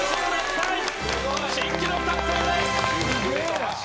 新記録達成です！